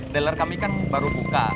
dealer kami kan baru buka